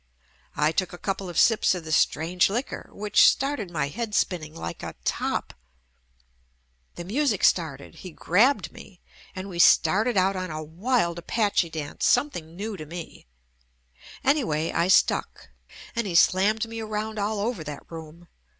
I took a couple of sips of the strange liquor, which started my head spinning like a top — the music started, he grabbed me, and we started out on a wild Apache dance, something new to me. Any JUST ME way, I stuck, and he slammed me around all over that room.